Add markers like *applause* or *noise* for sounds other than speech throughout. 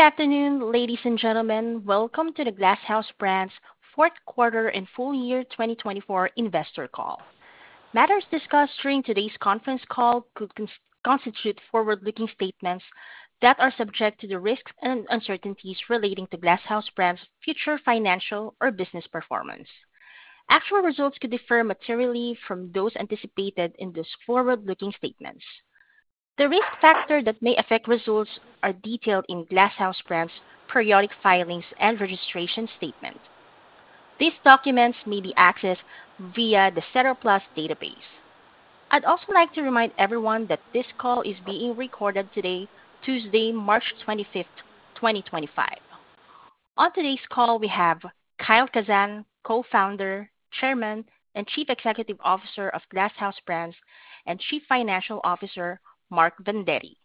Good afternoon, ladies and gentlemen. Welcome to the Glass House Brands Fourth Quarter and Full Year 2024 Investor Call. Matters discussed during today's conference call could constitute forward-looking statements that are subject to the risks and uncertainties relating to Glass House Brands' future financial or business performance. Actual results could differ materially from those anticipated in these forward-looking statements. The risk factors that may affect results are detailed in Glass House Brands' periodic filings and registration statement. These documents may be accessed via the SEDAR+ database. I'd also like to remind everyone that this call is being recorded today, Tuesday, March 25th, 2025. On today's call, we have Kyle Kazan, Co-Founder, Chairman, and Chief Executive Officer of Glass House Brands, and Chief Financial Officer Mark Vendetti.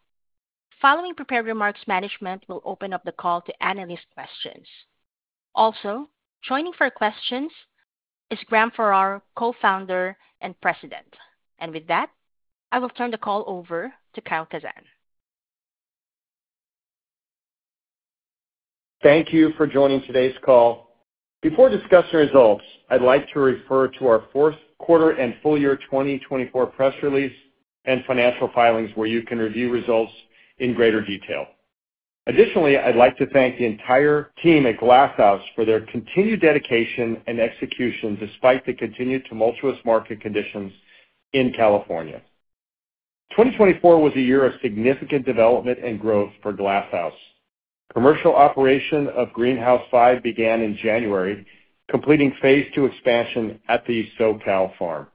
Following prepared remarks, management will open up the call to analyst questions. Also, joining for questions is Graham Farrar, Co-Founder and President. With that, I will turn the call over to Kyle Kazan. Thank you for joining today's call. Before discussing results, I'd like to refer to our fourth quarter and full year 2024 press release and financial filings, where you can review results in greater detail. Additionally, I'd like to thank the entire team at Glass House Brands for their continued dedication and execution despite the continued tumultuous market conditions in California. 2024 was a year of significant development and growth for Glass House Brands. Commercial operation of Greenhouse 5 began in January, completing Phase II expansion at the SoCal farm.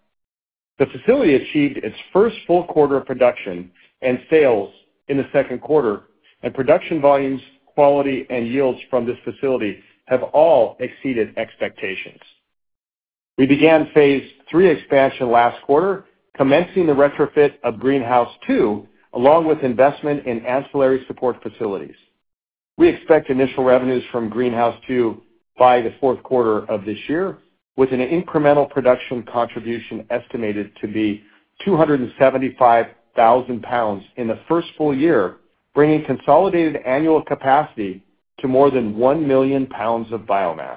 The facility achieved its first full quarter of production and sales in the second quarter, and production volumes, quality, and yields from this facility have all exceeded expectations. We began Phase III expansion last quarter, commencing the retrofit of Greenhouse 2, along with investment in ancillary support facilities. We expect initial revenues from Greenhouse 2 by the fourth quarter of this year, with an incremental production contribution estimated to be 275,000 lbs in the first full year, bringing consolidated annual capacity to more than 1 million lbs of biomass.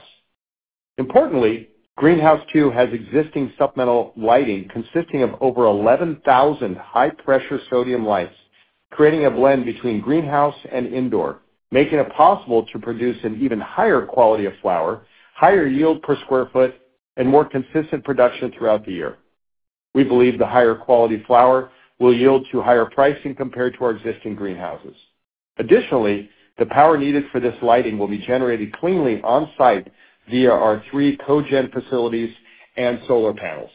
Importantly, Greenhouse 2 has existing supplemental lighting consisting of over 11,000 high-pressure sodium lights, creating a blend between greenhouse and indoor, making it possible to produce an even higher quality of flower, higher yield per square foot, and more consistent production throughout the year. We believe the higher quality flower will yield to higher pricing compared to our existing greenhouses. Additionally, the power needed for this lighting will be generated cleanly on site via our three cogen facilities and solar panels.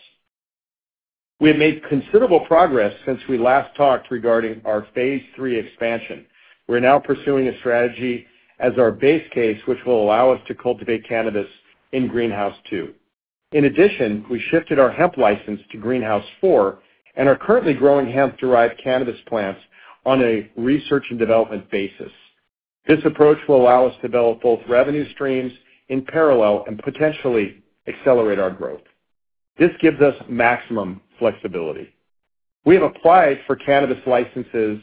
We have made considerable progress since we last talked regarding our Phase III expansion. We're now pursuing a strategy as our base case, which will allow us to cultivate cannabis in Greenhouse 2. In addition, we shifted our hemp license to Greenhouse 4 and are currently growing hemp-derived cannabis plants on a research and development basis. This approach will allow us to develop both revenue streams in parallel and potentially accelerate our growth. This gives us maximum flexibility. We have applied for cannabis licenses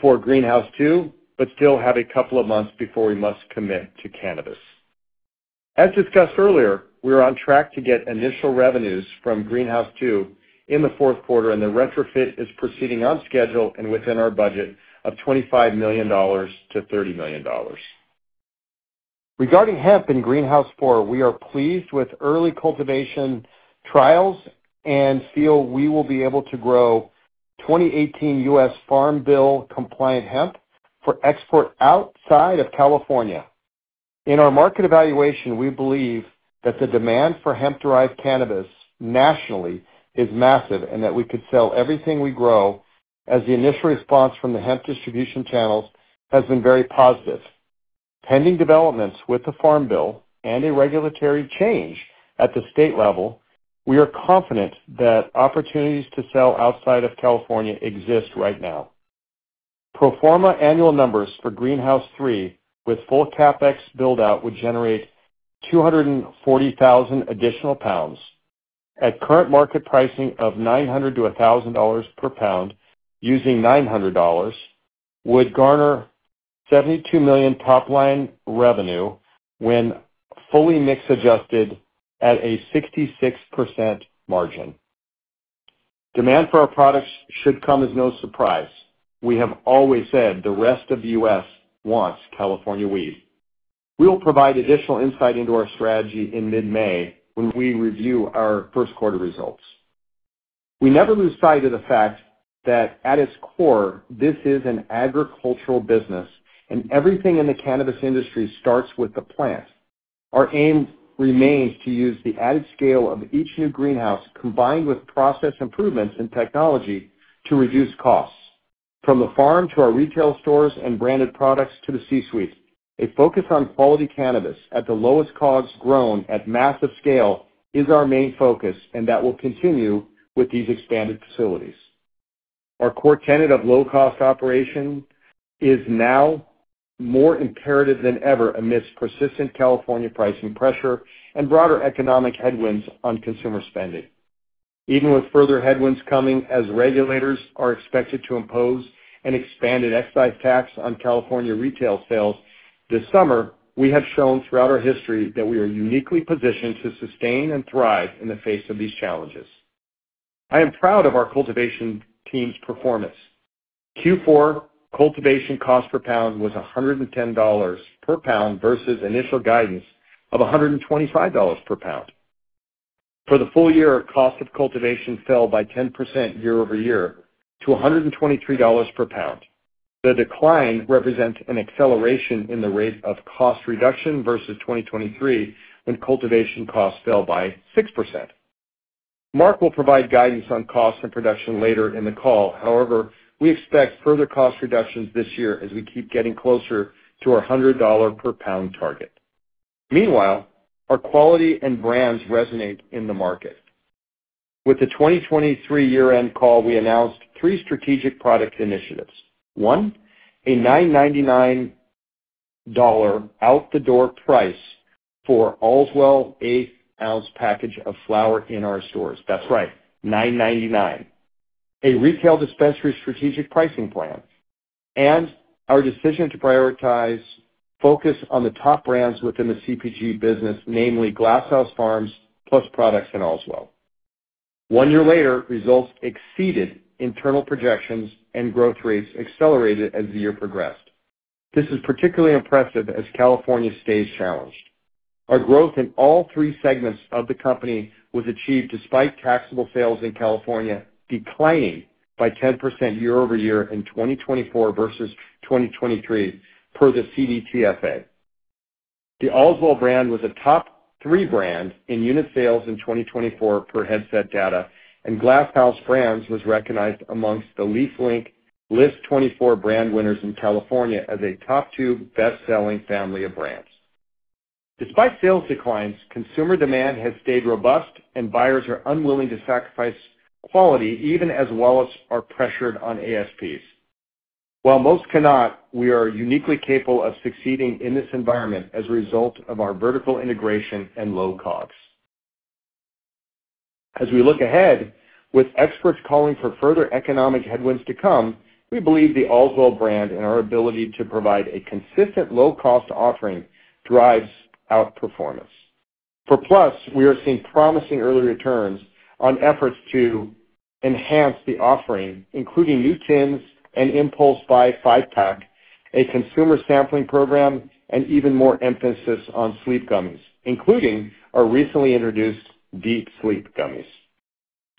for Greenhouse 2, but still have a couple of months before we must commit to cannabis. As discussed earlier, we are on track to get initial revenues from Greenhouse 2 in the fourth quarter, and the retrofit is proceeding on schedule and within our budget of $25 million-$30 million. Regarding hemp in Greenhouse 4, we are pleased with early cultivation trials and feel we will be able to grow 2018 US Farm Bill compliant hemp for export outside of California. In our market evaluation, we believe that the demand for hemp-derived cannabis nationally is massive and that we could sell everything we grow as the initial response from the hemp distribution channels has been very positive. Pending developments with the Farm Bill and a regulatory change at the state level, we are confident that opportunities to sell outside of California exist right now. Pro forma annual numbers for Greenhouse 3, with full CapEx build-out, would generate 240,000 additional pounds. At current market pricing of $900-$1,000 per pound, using $900, would garner $72 million top-line revenue when fully mix-adjusted at a 66% margin. Demand for our products should come as no surprise. We have always said the rest of the U.S. wants California weed. We will provide additional insight into our strategy in mid-May when we review our first quarter results. We never lose sight of the fact that at its core, this is an agricultural business, and everything in the cannabis industry starts with the plant. Our aim remains to use the added scale of each new greenhouse, combined with process improvements in technology, to reduce costs. From the farm to our retail stores and branded products to the C-suite, a focus on quality cannabis at the lowest costs grown at massive scale is our main focus, and that will continue with these expanded facilities. Our core tenet of low-cost operation is now more imperative than ever amidst persistent California pricing pressure and broader economic headwinds on consumer spending. Even with further headwinds coming as regulators are expected to impose an expanded excise tax on California retail sales this summer, we have shown throughout our history that we are uniquely positioned to sustain and thrive in the face of these challenges. I am proud of our cultivation team's performance. Q4 cultivation cost per pound was $110 per pound versus initial guidance of $125 per pound. For the full year, cost of cultivation fell by 10% year-over-year to $123 per pound. The decline represents an acceleration in the rate of cost reduction versus 2023, when cultivation costs fell by 6%. Mark will provide guidance on cost and production later in the call. However, we expect further cost reductions this year as we keep getting closer to our $100 per pound target. Meanwhile, our quality and brands resonate in the market. With the 2023 year-end call, we announced three strategic product initiatives. One, a $9.99 out-the-door price for Allswell eighth-ounce package of flower in our stores. That's right, $9.99. A retail dispensary strategic pricing plan. And our decision to prioritize focus on the top brands within the CPG business, namely Glass House Farms Plus Products and Allswell. One year later, results exceeded internal projections and growth rates accelerated as the year progressed. This is particularly impressive as California stays challenged. Our growth in all three segments of the company was achieved despite taxable sales in California declining by 10% year-over-year in 2024 versus 2023 per the CDTFA. The Allswell brand was a top three brand in unit sales in 2024 per Headset data, and Glass House Brands was recognized amongst the LeafLink List 2024 brand winners in California as a top two best-selling family of brands. Despite sales declines, consumer demand has stayed robust, and buyers are unwilling to sacrifice quality even as well as are pressured on ASPs. While most cannot, we are uniquely capable of succeeding in this environment as a result of our vertical integration and low costs. As we look ahead, with experts calling for further economic headwinds to come, we believe the Allswell brand and our ability to provide a consistent low-cost offering drives outperformance. For PLUS, we are seeing promising early returns on efforts to enhance the offering, including new tins and impulse buy five-pack, a consumer sampling program, and even more emphasis on sleep gummies, including our recently introduced deep sleep gummies.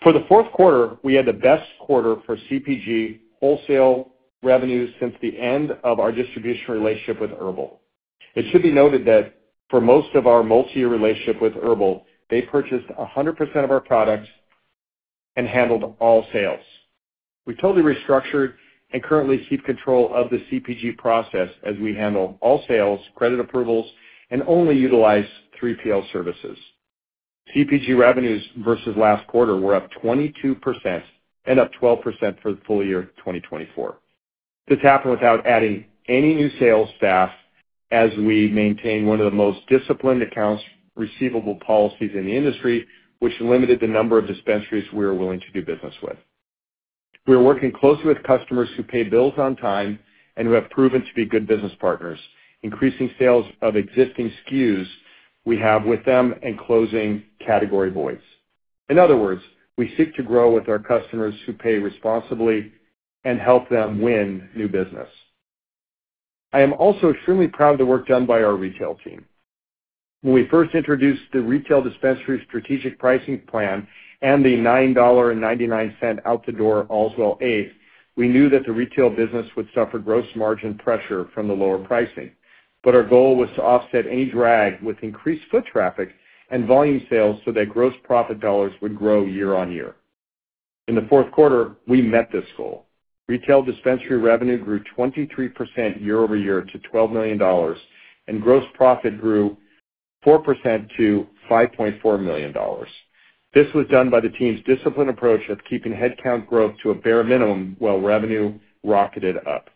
For the fourth quarter, we had the best quarter for CPG wholesale revenues since the end of our distribution relationship with HERBL. It should be noted that for most of our multi-year relationship with HERBL, they purchased 100% of our products and handled all sales. We totally restructured and currently keep control of the CPG process as we handle all sales, credit approvals, and only utilize 3PL services. CPG revenues versus last quarter were up 22% and up 12% for the full year 2024. This happened without adding any new sales staff as we maintain one of the most disciplined accounts receivable policies in the industry, which limited the number of dispensaries we are willing to do business with. We are working closely with customers who pay bills on time and who have proven to be good business partners, increasing sales of existing SKUs we have with them and closing category voids. In other words, we seek to grow with our customers who pay responsibly and help them win new business. I am also extremely proud of the work done by our retail team. When we first introduced the retail dispensary strategic pricing plan and the $9.99 out-the-door Allswell eighth, we knew that the retail business would suffer gross margin pressure from the lower pricing. Our goal was to offset any drag with increased foot traffic and volume sales so that gross profit dollars would grow year on year. In the fourth quarter, we met this goal. Retail dispensary revenue grew 23% year-over-year to $12 million, and gross profit grew 4% to $5.4 million. This was done by the team's disciplined approach of keeping headcount growth to a bare minimum while revenue rocketed up.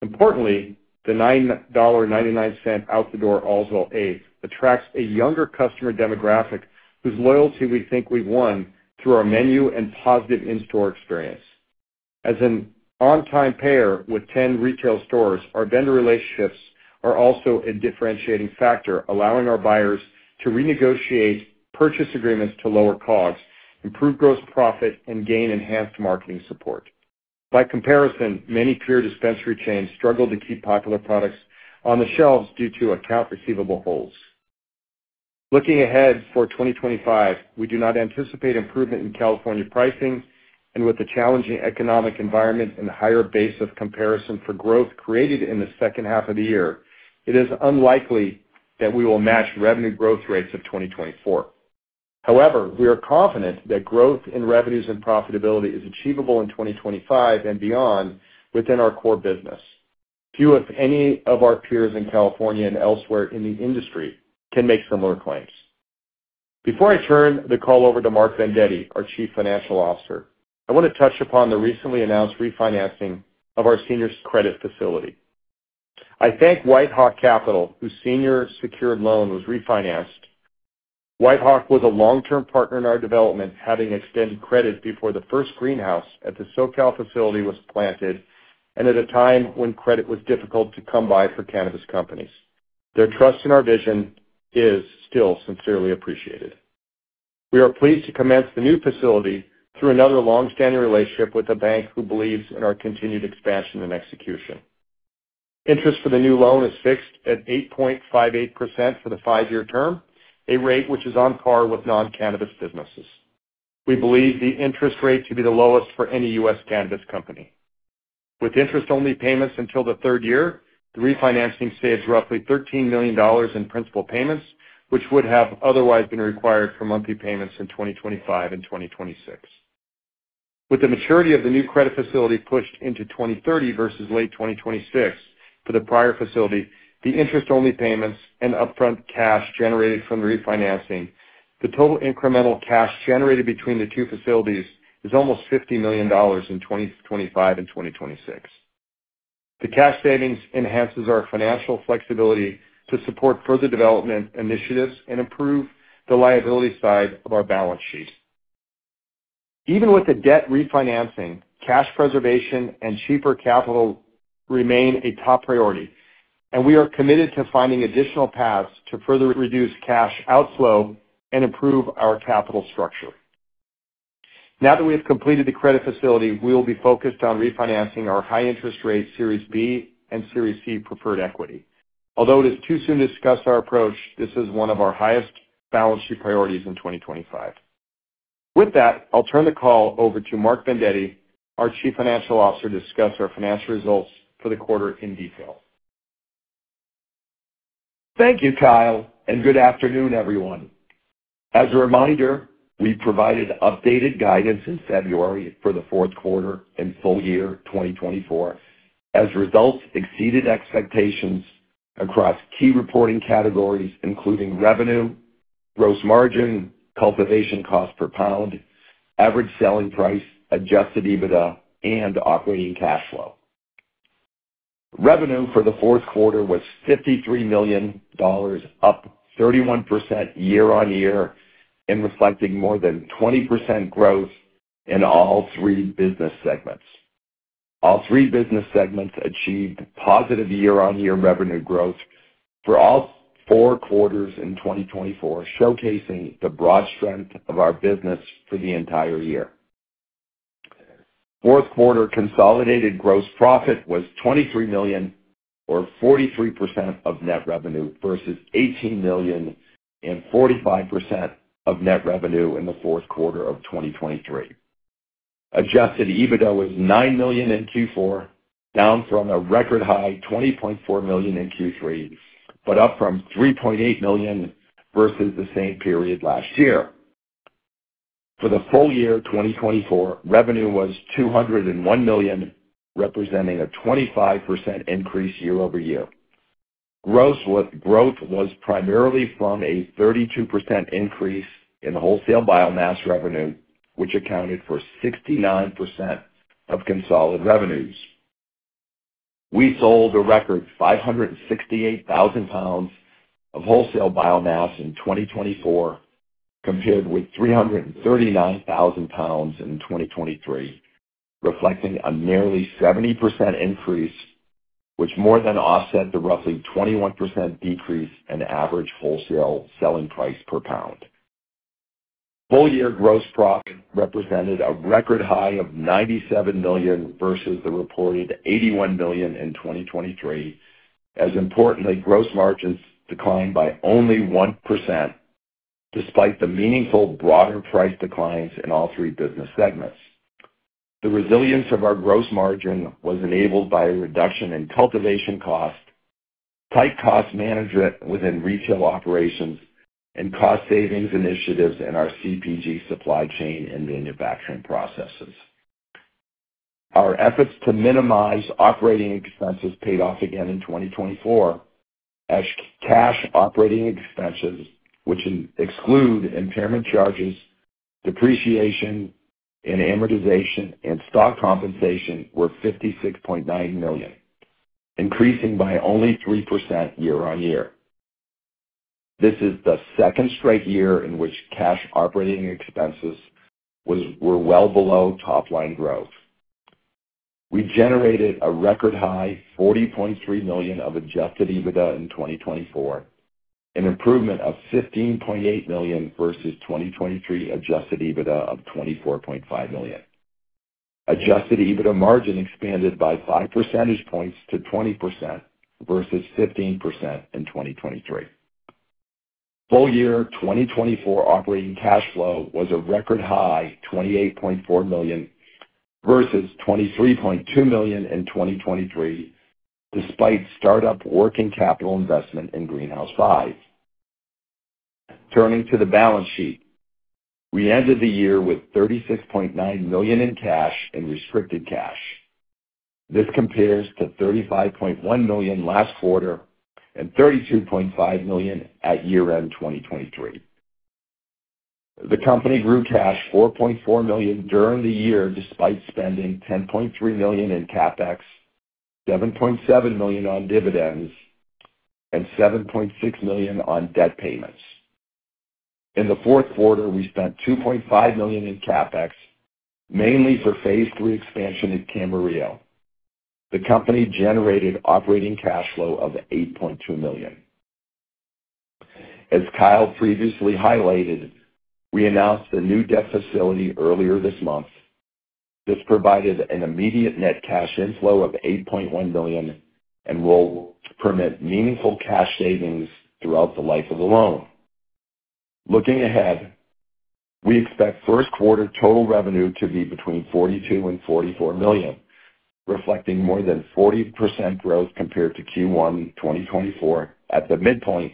Importantly, the $9.99 out-the-door Allswell eighth attracts a younger customer demographic whose loyalty we think we've won through our menu and positive in-store experience. As an on-time payer with 10 retail stores, our vendor relationships are also a differentiating factor, allowing our buyers to renegotiate purchase agreements to lower costs, improve gross profit, and gain enhanced marketing support. By comparison, many peer dispensary chains struggled to keep popular products on the shelves due to account receivable holds. Looking ahead for 2025, we do not anticipate improvement in California pricing, and with the challenging economic environment and higher base of comparison for growth created in the second half of the year, it is unlikely that we will match revenue growth rates of 2024. However, we are confident that growth in revenues and profitability is achievable in 2025 and beyond within our core business. Few, if any, of our peers in California and elsewhere in the industry can make similar claims. Before I turn the call over to Mark Vendetti, our Chief Financial Officer, I want to touch upon the recently announced refinancing of our senior credit facility. I thank WhiteHawk Capital, whose senior secured loan was refinanced. WhiteHawk was a long-term partner in our development, having extended credit before the first greenhouse at the SoCal facility was planted and at a time when credit was difficult to come by for cannabis companies. Their trust in our vision is still sincerely appreciated. We are pleased to commence the new facility through another long-standing relationship with a bank who believes in our continued expansion and execution. Interest for the new loan is fixed at 8.58% for the five-year term, a rate which is on par with non-cannabis businesses. We believe the interest rate to be the lowest for any U.S. cannabis company. With interest-only payments until the third year, the refinancing saves roughly $13 million in principal payments, which would have otherwise been required for monthly payments in 2025 and 2026. With the maturity of the new credit facility pushed into 2030 versus late 2026 for the prior facility, the interest-only payments and upfront cash generated from the refinancing, the total incremental cash generated between the two facilities is almost $50 million in 2025 and 2026. The cash savings enhances our financial flexibility to support further development initiatives and improve the liability side of our balance sheet. Even with the debt refinancing, cash preservation and cheaper capital remain a top priority, and we are committed to finding additional paths to further reduce cash outflow and improve our capital structure. Now that we have completed the credit facility, we will be focused on refinancing our high-interest rate Series B and Series C preferred equity. Although it is too soon to discuss our approach, this is one of our highest balance sheet priorities in 2025. With that, I'll turn the call over to Mark Vendetti, our Chief Financial Officer, to discuss our financial results for the quarter in detail. Thank you, Kyle, and good afternoon, everyone. As a reminder, we provided updated guidance in February for the fourth quarter and full year 2024. As a result, exceeded expectations across key reporting categories, including revenue, gross margin, cultivation cost per pound, average selling price, adjusted EBITDA, and operating cash flow. Revenue for the fourth quarter was $53 million, up 31% year on year, and reflecting more than 20% growth in all three business segments. All three business segments achieved positive year-on-year revenue growth for all four quarters in 2024, showcasing the broad strength of our business for the entire year. Fourth quarter consolidated gross profit was $23 million, or 43% of net revenue, versus $18 million and 45% of net revenue in the fourth quarter of 2023. Adjusted EBITDA was $9 million in Q4, down from a record high of $20.4 million in Q3, but up from $3.8 million versus the same period last year. For the full year 2024, revenue was $201 million, representing a 25% increase year-over-year. Gross growth was primarily from a 32% increase in wholesale biomass revenue, which accounted for 69% of consolidated revenues. We sold a record 568,000 lbs of wholesale biomass in 2024, compared with 339,000 lbs in 2023, reflecting a nearly 70% increase, which more than offset the roughly 21% decrease in average wholesale selling price per pound. Full year gross profit represented a record high of $97 million versus the reported $81 million in 2023. As importantly, gross margins declined by only 1%, despite the meaningful broader price declines in all three business segments. The resilience of our gross margin was enabled by a reduction in cultivation costs, tight cost management within retail operations, and cost savings initiatives in our CPG supply chain and manufacturing processes. Our efforts to minimize operating expenses paid off again in 2024, as cash operating expenses, which exclude impairment charges, depreciation, and amortization, and stock compensation were $56.9 million, increasing by only 3% year on year. This is the second straight year in which cash operating expenses were well below top-line growth. We generated a record high of $40.3 million of adjusted EBITDA in 2024, an improvement of $15.8 million versus 2023 adjusted EBITDA of $24.5 million. Adjusted EBITDA margin expanded by 5 percentage points to 20% versus 15% in 2023. Full year 2024 operating cash flow was a record high of $28.4 million versus $23.2 million in 2023, despite startup working capital investment in Greenhouse 5. Turning to the balance sheet, we ended the year with $36.9 million in cash and restricted cash. This compares to $35.1 million last quarter and $32.5 million at year-end 2023. The company grew cash $4.4 million during the year despite spending $10.3 million in CapEx, $7.7 million on dividends, and $7.6 million on debt payments. In the fourth quarter, we spent $2.5 million in CapEx, mainly for Phase III expansion at Camarillo. The company generated operating cash flow of $8.2 million. As Kyle previously highlighted, we announced the new debt facility earlier this month. This provided an immediate net cash inflow of $8.1 million and will permit meaningful cash savings throughout the life of the loan. Looking ahead, we expect first quarter total revenue to be between $42-$44 million, reflecting more than 40% growth compared to Q1 2024 at the midpoint,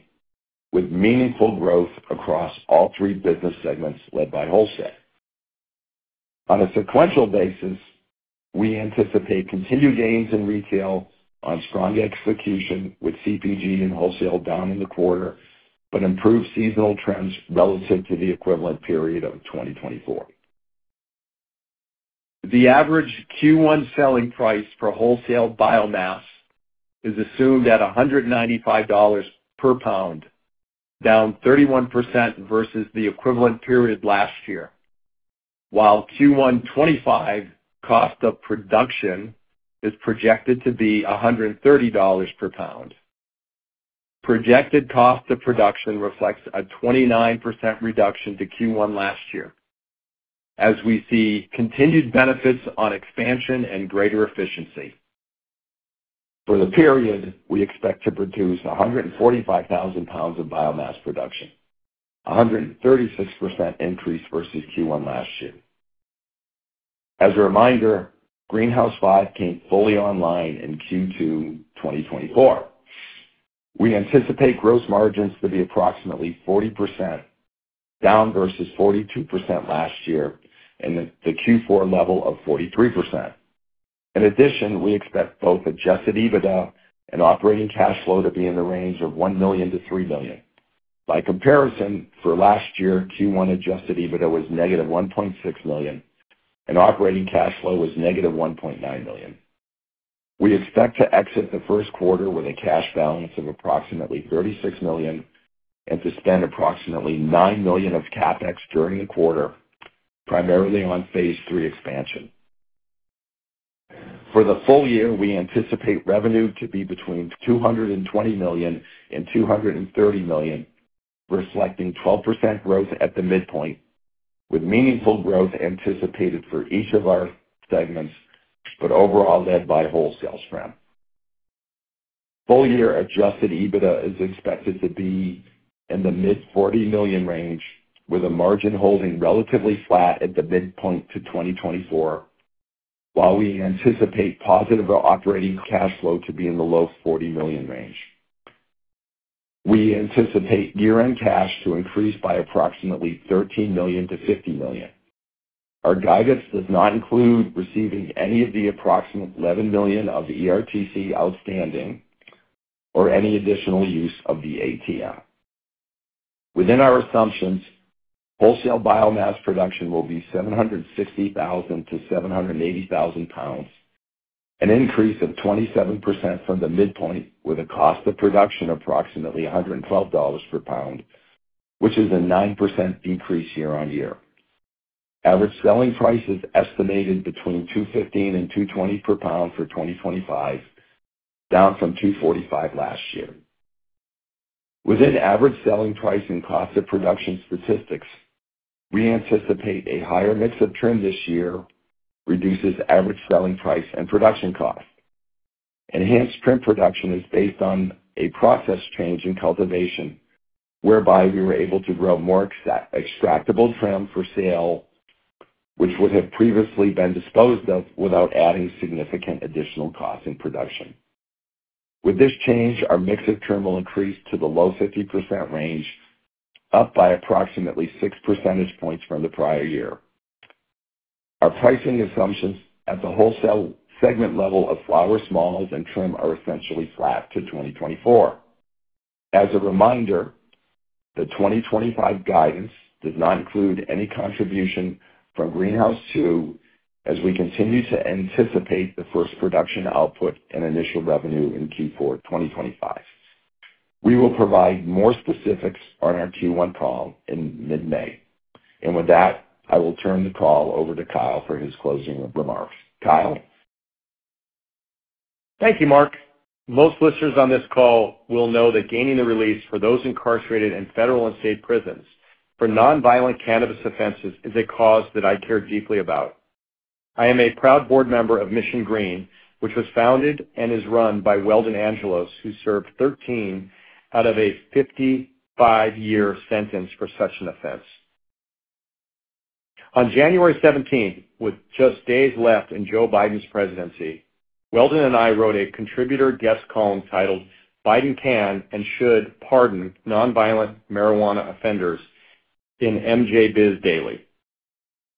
with meaningful growth across all three business segments led by wholesale. On a sequential basis, we anticipate continued gains in retail on strong execution with CPG and wholesale down in the quarter, but improved seasonal trends relative to the equivalent period of 2024. The average Q1 selling price for wholesale biomass is assumed at $195 per pound, down 31% versus the equivalent period last year, while Q1 2025 cost of production is projected to be $130 per pound. Projected cost of production reflects a 29% reduction to Q1 last year, as we see continued benefits on expansion and greater efficiency. For the period, we expect to produce 145,000 lbs of biomass production, a 136% increase versus Q1 last year. As a reminder, Greenhouse 5 came fully online in Q2 2024. We anticipate gross margins to be approximately 40%, down versus 42% last year, and the Q4 level of 43%. In addition, we expect both adjusted EBITDA and operating cash flow to be in the range of $1 million-$3 million. By comparison, for last year, Q1 adjusted EBITDA was -$1.6 million, and operating cash flow was -$1.9 million. We expect to exit the first quarter with a cash balance of approximately $36 million and to spend approximately $9 million of CapEx during the quarter, primarily on Phase III expansion. For the full year, we anticipate revenue to be between $220 million and $230 million, reflecting 12% growth at the midpoint, with meaningful growth anticipated for each of our segments, but overall led by wholesale strength. Full year adjusted EBITDA is expected to be in the mid-$40 million range, with a margin holding relatively flat at the midpoint to 2024, while we anticipate positive operating cash flow to be in the low $40 million range. We anticipate year-end cash to increase by approximately $13 million-$50 million. Our guidance does not include receiving any of the approximate $11 million of ERTC outstanding or any additional use of the ATM. Within our assumptions, wholesale biomass production will be $760,000-$780,000, an increase of 27% from the midpoint, with a cost of production approximately $112 per pound, which is a 9% decrease year-on-year. Average selling price is estimated between $215 and $220 per pound for 2025, down from $245 last year. Within average selling price and cost of production statistics, we anticipate a higher mix of trim this year reduces average selling price and production cost. Enhanced trim production is based on a process change in cultivation, whereby we were able to grow more extractable trim for sale, which would have previously been disposed of without adding significant additional costs in production. With this change, our mix of trim will increase to the low 50% range, up by approximately 6 percentage points from the prior year. Our pricing assumptions at the wholesale segment level of flower smalls and trim are essentially flat to 2024. As a reminder, the 2025 guidance does not include any contribution from Greenhouse 2, as we continue to anticipate the first production output and initial revenue in Q4 2025. We will provide more specifics on our Q1 call in mid-May. With that, I will turn the call over to Kyle for his closing remarks. Kyle? Thank you, Mark. Most listeners on this call will know that gaining the release for those incarcerated in federal and state prisons for non-violent cannabis offenses is a cause that I care deeply about. I am a proud board member of Mission Green, which was founded and is run by Weldon Angelos, who served 13 out of a 55-year sentence for such an offense. On January 17, with just days left in Joe Biden's presidency, Weldon and I wrote a contributor guest column titled, "Biden Can and Should Pardon Non-Violent Marijuana Offenders" in MJBizDaily.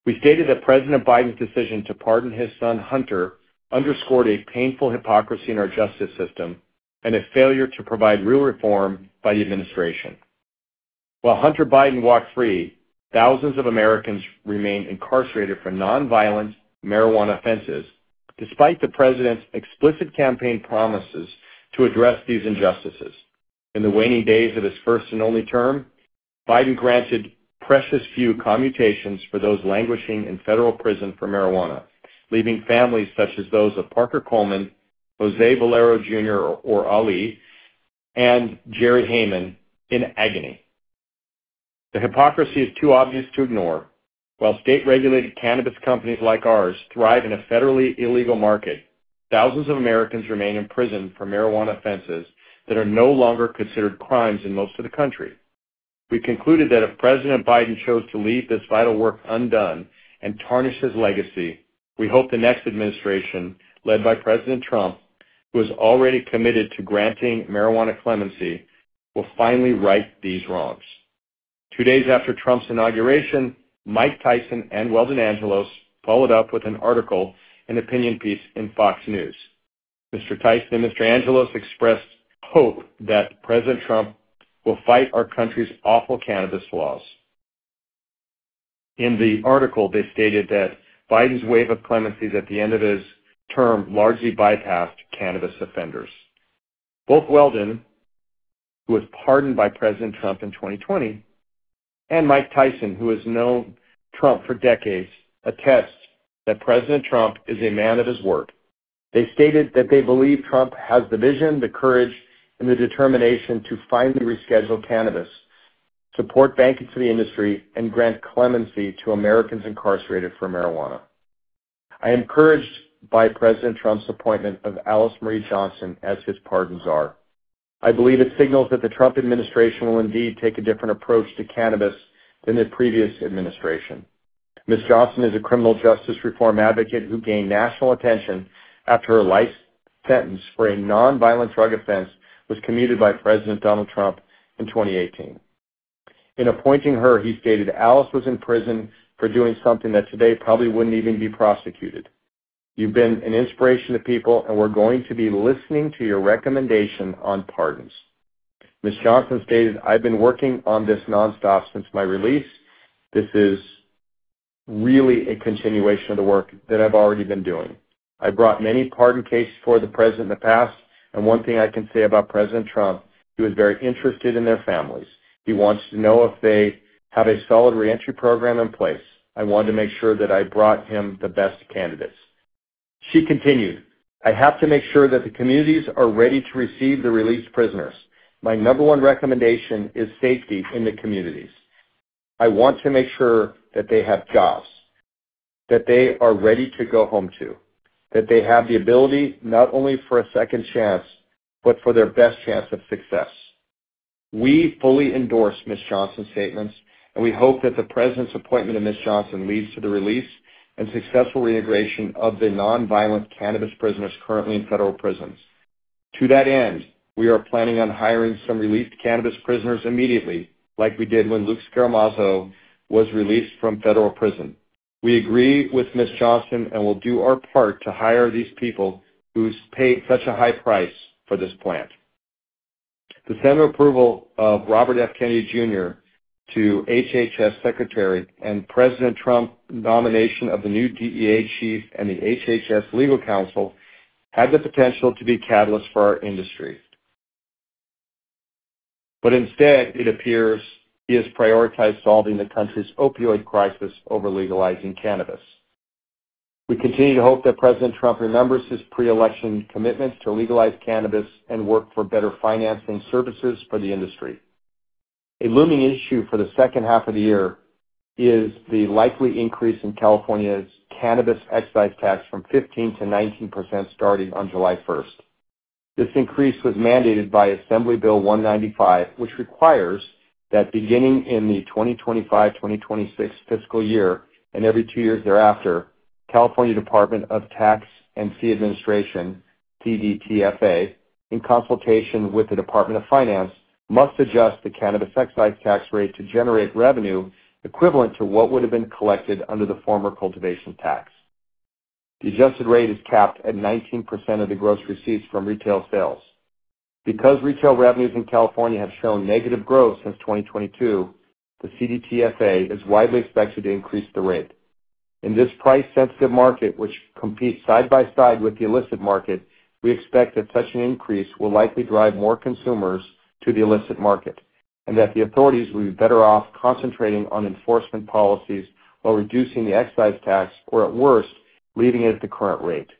We stated that President Biden's decision to pardon his son, Hunter, underscored a painful hypocrisy in our justice system and a failure to provide real reform by the administration. While Hunter Biden walked free, thousands of Americans remain incarcerated for non-violent marijuana offenses, despite the president's explicit campaign promises to address these injustices. In the waning days of his first and only term, Biden granted precious few commutations for those languishing in federal prison for marijuana, leaving families such as those of Parker Coleman, Jose Valero Jr. or Ali, and Jerry Haymon in agony. The hypocrisy is too obvious to ignore. While state-regulated cannabis companies like ours thrive in a federally illegal market, thousands of Americans remain in prison for marijuana offenses that are no longer considered crimes in most of the country. We concluded that if President Biden chose to leave this vital work undone and tarnish his legacy, we hope the next administration, led by President Trump, who is already committed to granting marijuana clemency, will finally right these wrongs. Two days after Trump's inauguration, Mike Tyson and Weldon Angelos followed up with an article and opinion piece in Fox News. Mr. Tyson and Mr. Angelos expressed hope that President Trump will fight our country's awful cannabis laws. In the article, they stated that Biden's wave of clemencies at the end of his term largely bypassed cannabis offenders. Both Weldon, who was pardoned by President Trump in 2020, and Mike Tyson, who has known Trump for decades, attest that President Trump is a man of his word. They stated that they believe Trump has the vision, the courage, and the determination to finally reschedule cannabis, support banking for the industry, and grant clemency to Americans incarcerated for marijuana. I am encouraged by President Trump's appointment of Alice Marie Johnson as his pardon czar. I believe it signals that the Trump administration will indeed take a different approach to cannabis than the previous administration. Ms. Johnson is a criminal justice reform advocate who gained national attention after her life sentence for a non-violent drug offense was commuted by President Donald Trump in 2018. In appointing her, he stated, "Alice was in prison for doing something that today probably wouldn't even be prosecuted. You've been an inspiration to people, and we're going to be listening to your recommendation on pardons." Ms. Johnson stated, "I've been working on this nonstop since my release. This is really a continuation of the work that I've already been doing. I brought many pardon cases for the president in the past, and one thing I can say about President Trump, he was very interested in their families. He wants to know if they have a solid reentry program in place. I wanted to make sure that I brought him the best candidates." She continued, "I have to make sure that the communities are ready to receive the released prisoners. My number one recommendation is safety in the communities. I want to make sure that they have jobs, that they are ready to go home to, that they have the ability not only for a second chance, but for their best chance of success. We fully endorse Ms. Johnson's statements, and we hope that the president's appointment of Ms. Johnson leads to the release and successful reintegration of the non-violent cannabis prisoners currently in federal prisons. To that end, we are planning on hiring some released cannabis prisoners immediately, like we did when Luke Scarmazzo was released from federal prison. We agree with Ms. Johnson and will do our part to hire these people who've paid such a high price for this plant. The Senate approval of Robert F. Kennedy Jr. to HHS Secretary and President Trump's nomination of the new DEA chief and the HHS legal counsel had the potential to be catalysts for our industry. Instead, it appears he has prioritized solving the country's opioid crisis over legalizing cannabis. We continue to hope that President Trump remembers his pre-election commitments to legalize cannabis and work for better financing services for the industry. A looming issue for the second half of the year is the likely increase in California's cannabis excise tax from 15%-19% starting on July 1. This increase was mandated by Assembly Bill 195, which requires that beginning in the 2025-2026 fiscal year and every two years thereafter, California Department of Tax and Fee Administration, CDTFA, in consultation with the Department of Finance, must adjust the cannabis excise tax rate to generate revenue equivalent to what would have been collected under the former cultivation tax. The adjusted rate is capped at 19% of the gross receipts from retail sales. Because retail revenues in California have shown negative growth since 2022, the CDTFA is widely expected to increase the rate. In this price-sensitive market, which competes side by side with the illicit market, we expect that such an increase will likely drive more consumers to the illicit market and that the authorities will be better off concentrating on enforcement policies while reducing the excise tax or, at worst, leaving it at the current rate.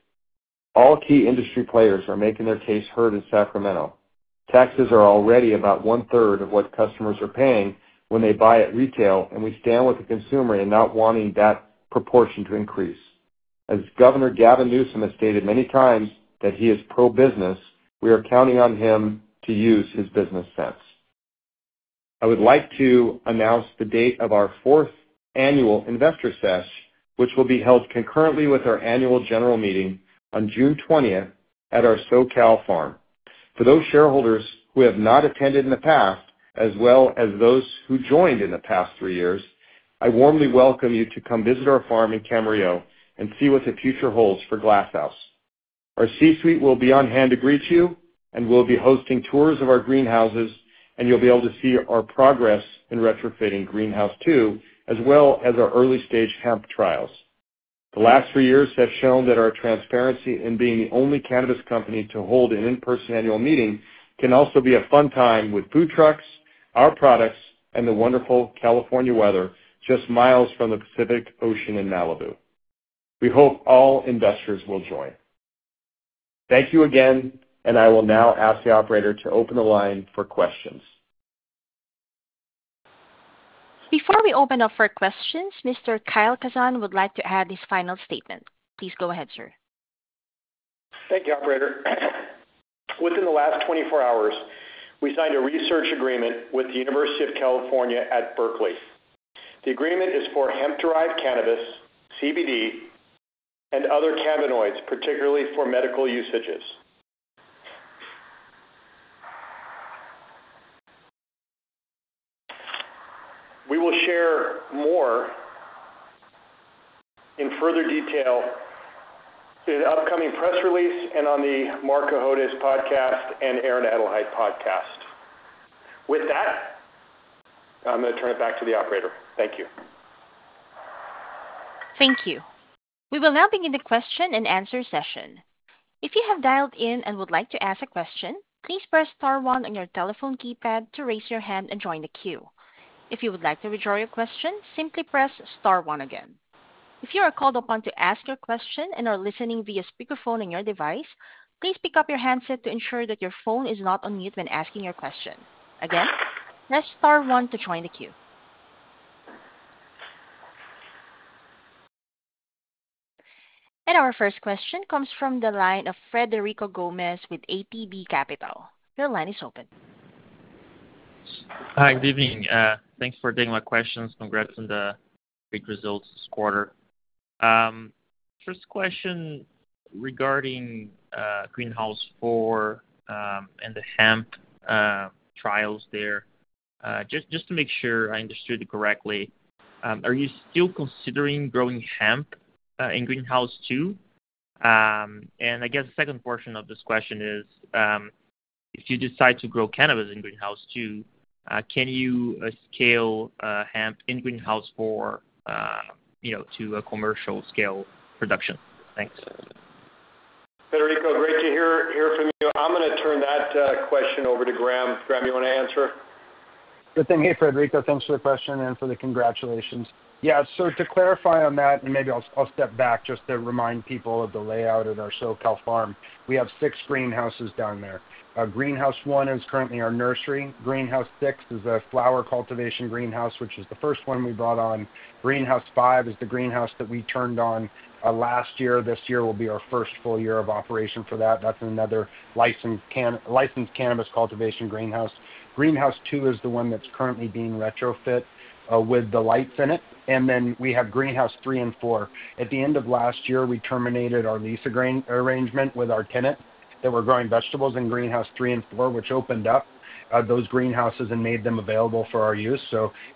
All key industry players are making their case heard in Sacramento. Taxes are already about one-third of what customers are paying when they buy at retail, and we stand with the consumer in not wanting that proportion to increase. As Governor Gavin Newsom has stated many times that he is pro-business, we are counting on him to use his business sense. I would like to announce the date of our fourth annual Investor Sesh, which will be held concurrently with our annual general meeting on June 20 at our SoCal farm. For those shareholders who have not attended in the past, as well as those who joined in the past three years, I warmly welcome you to come visit our farm in Camarillo and see what the future holds for Glass House. Our C-suite will be on hand to greet you and will be hosting tours of our greenhouses, and you'll be able to see our progress in retrofitting Greenhouse 2, as well as our early-stage hemp trials. The last three years have shown that our transparency in being the only cannabis company to hold an in-person annual meeting can also be a fun time with food trucks, our products, and the wonderful California weather just miles from the Pacific Ocean in Malibu. We hope all investors will join. Thank you again, and I will now ask the operator to open the line for questions. Before we open up for questions, Mr. Kyle Kazan would like to add his final statement. Please go ahead, sir. Thank you, operator. Within the last 24 hours, we signed a research agreement with the University of California, Berkeley. The agreement is for hemp-derived cannabis, CBD, and other cannabinoids, particularly for medical usages. We will share more in further detail in an upcoming press release and on the Marc Cohodes podcast and Aaron Edelheit podcast. With that, I'm going to turn it back to the operator. Thank you. Thank you. We will now begin the question and answer session. If you have dialed in and would like to ask a question, please press star one on your telephone keypad to raise your hand and join the queue. If you would like to withdraw your question, simply press star one again. If you are called upon to ask your question and are listening via speakerphone on your device, please pick up your handset to ensure that your phone is not on mute when asking your question. Again, press star one to join the queue. Our first question comes from the line of Frederico Gomes with ATB Capital. Your line is open. Hi, good evening. Thanks for taking my questions. Congrats on the great results this quarter. First question regarding Greenhouse 4 and the hemp trials there. Just to make sure I understood it correctly, are you still considering growing hemp in Greenhouse 2? I guess the second portion of this question is, if you decide to grow cannabis in Greenhouse 2, can you scale hemp in Greenhouse 4 to a commercial-scale production? Thanks. Frederico, great to hear from you. I'm going to turn that question over to Graham. Graham, you want to answer? Good thing you're here, Frederico. Thanks for the question and for the congratulations. Yeah, to clarify on that, and maybe I'll step back just to remind people of the layout of our SoCal farm. We have six greenhouses down there. Greenhouse 1 is currently our nursery. Greenhouse 6 is a flower cultivation greenhouse, which is the first one we brought on. Greenhouse 5 is the greenhouse that we turned on last year. This year will be our first full year of operation for that. That's another licensed cannabis cultivation greenhouse. Greenhouse 2 is the one that's currently being retrofitted with the lights in it. We have Greenhouse 3 and 4. At the end of last year, we terminated our lease arrangement with our tenant that was growing vegetables in Greenhouse 3 and 4, which opened up those greenhouses and made them available for our use.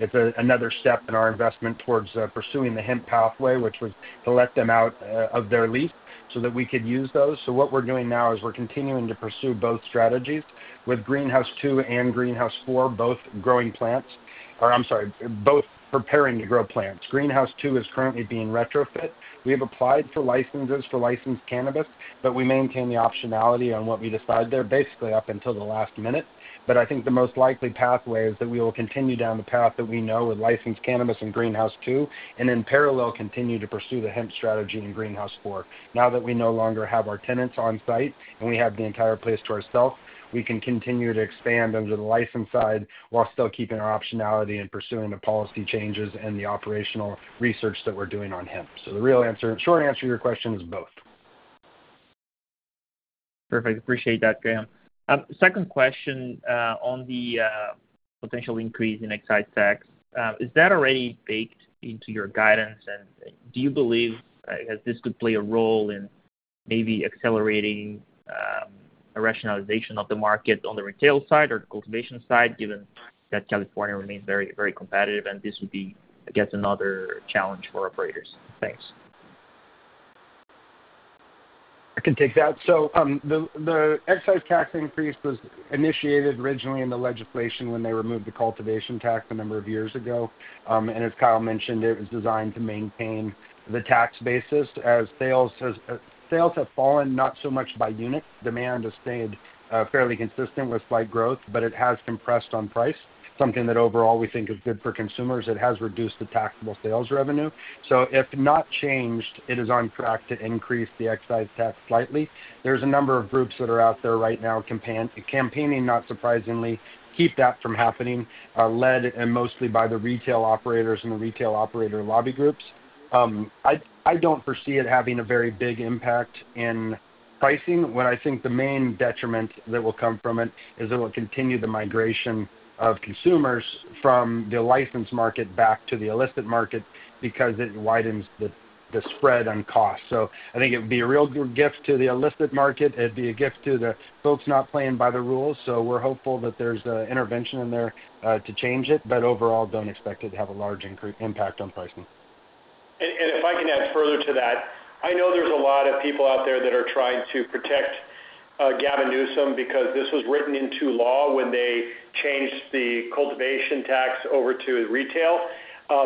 It's another step in our investment towards pursuing the hemp pathway, which was to let them out of their lease so that we could use those. What we're doing now is we're continuing to pursue both strategies with Greenhouse 2 and Greenhouse 4, both growing plants or, I'm sorry, both preparing to grow plants. Greenhouse 2 is currently being retrofitted. We have applied for licenses for licensed cannabis, but we maintain the optionality on what we decide there basically up until the last minute. I think the most likely pathway is that we will continue down the path that we know with licensed cannabis in Greenhouse 2 and in parallel continue to pursue the hemp strategy in Greenhouse 4. Now that we no longer have our tenants on site and we have the entire place to ourselves, we can continue to expand under the license side while still keeping our optionality and pursuing the policy changes and the operational research that we're doing on hemp. The real short answer to your question is both. Perfect. Appreciate that, Graham. Second question on the potential increase in excise tax. Is that already baked into your guidance? Do you believe that this could play a role in maybe accelerating a rationalization of the market on the retail side or the cultivation side, given that California remains very, very competitive? This would be, I guess, another challenge for operators. Thanks. I can take that. The excise tax increase was initiated originally in the legislation when they removed the cultivation tax a number of years ago. As Kyle mentioned, it was designed to maintain the tax basis. Sales have fallen not so much by unit. Demand has stayed fairly consistent with slight growth, but it has compressed on price, something that overall we think is good for consumers. It has reduced the taxable sales revenue. If not changed, it is on track to increase the excise tax slightly. There's a number of groups that are out there right now campaigning, not surprisingly, to keep that from happening, led mostly by the retail operators and the retail operator lobby groups. I don't foresee it having a very big impact in pricing. What I think the main detriment that will come from it is it will continue the migration of consumers from the licensed market back to the illicit market because it widens the spread on costs. I think it would be a real gift to the illicit market. It'd be a gift to the folks not playing by the rules. We're hopeful that there's an intervention in there to change it, but overall, don't expect it to have a large impact on pricing. If I can add further to that, I know there's a lot of people out there that are trying to protect Gavin Newsom because this was written into law when they changed the cultivation tax over to retail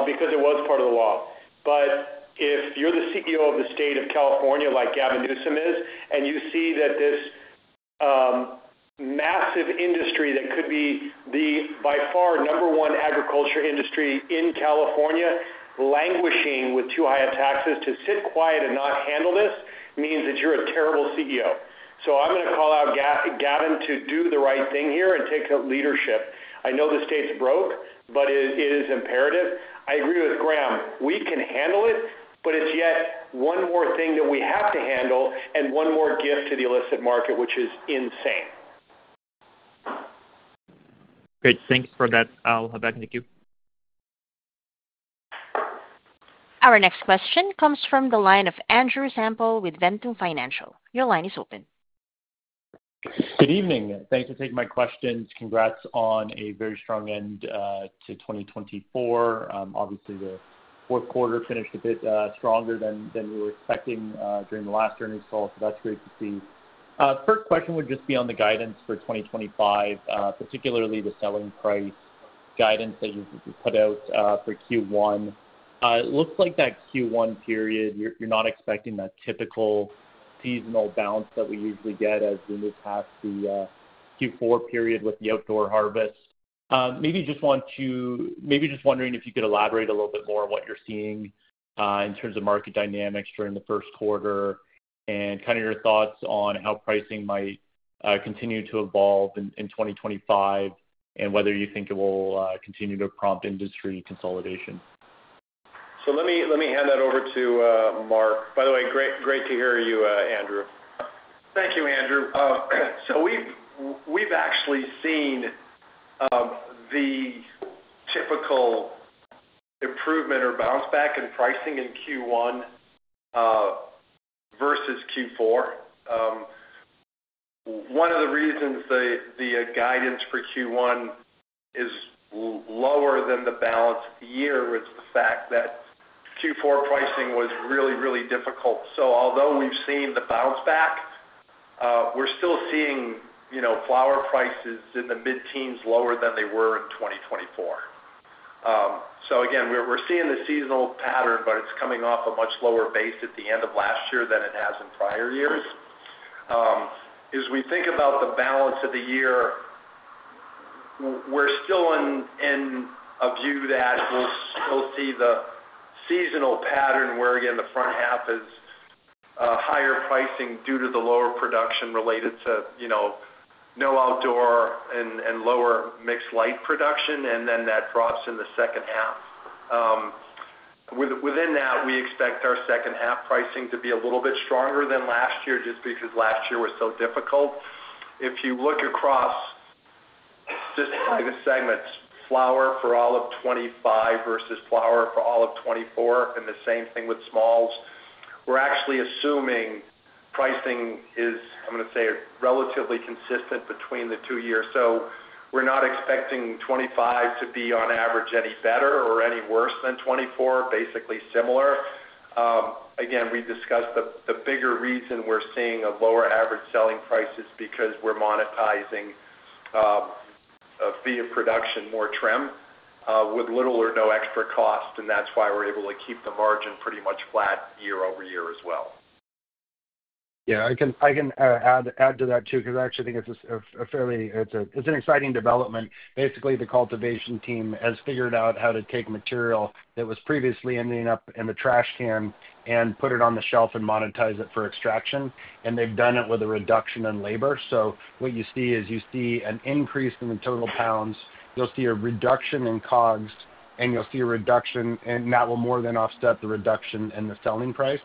because it was part of the law. If you're the CEO of the state of California, like Gavin Newsom is, and you see that this massive industry that could be the by far number one agriculture industry in California languishing with too high taxes to sit quiet and not handle this means that you're a terrible CEO. I'm going to call out Gavin to do the right thing here and take leadership. I know the state's broke, but it is imperative. I agree with Graham. We can handle it, but it's yet one more thing that we have to handle and one more gift to the illicit market, which is insane. Great. Thanks for that. I'll hand back to you. Our next question comes from the line of Andrew Semple with Ventum Financial. Your line is open. Good evening. Thanks for taking my questions. Congrats on a very strong end to 2024. Obviously, the fourth quarter finished a bit stronger than we were expecting during the last earnings call, so that's great to see. First question would just be on the guidance for 2025, particularly the selling price guidance that you put out for Q1. It looks like that Q1 period, you're not expecting that typical seasonal bounce that we usually get as we move past the Q4 period with the outdoor harvest. Maybe just wondering if you could elaborate a little bit more on what you're seeing in terms of market dynamics during the first quarter and kind of your thoughts on how pricing might continue to evolve in 2025 and whether you think it will continue to prompt industry consolidation. Let me hand that over to Mark. By the way, great to hear you, Andrew. Thank you, Andrew. We've actually seen the typical improvement or bounce back in pricing in Q1 versus Q4. One of the reasons the guidance for Q1 is lower than the balance of the year is the fact that Q4 pricing was really, really difficult. Although we've seen the bounce back, we're still seeing flower prices in the mid-teens lower than they were in 2024. Again, we're seeing the seasonal pattern, but it's coming off a much lower base at the end of last year than it has in prior years. As we think about the balance of the year, we're still in a view that we'll still see the seasonal pattern where, again, the front half is higher pricing due to the lower production related to no outdoor and lower mixed light production, and then that drops in the second half. Within that, we expect our second half pricing to be a little bit stronger than last year just because last year was so difficult. If you look across just by the segments, flower for all of 2025 versus flower for all of 2024, and the same thing with smalls. We're actually assuming pricing is, I'm going to say, relatively consistent between the two years. We're not expecting 2025 to be on average any better or any worse than 2024, basically similar. Again, we discussed the bigger reason we're seeing a lower average selling price is because we're monetizing via production more trim with little or no extra cost, and that's why we're able to keep the margin pretty much flat year-over-year as well. Yeah, I can add to that too because I actually think it's a fairly exciting development. Basically, the cultivation team has figured out how to take material that was previously ending up in the trash can and put it on the shelf and monetize it for extraction. And they've done it with a reduction in labor. What you see is you see an increase in the total pounds, you'll see a reduction in COGS, and you'll see a reduction, and that will more than offset the reduction in the selling price.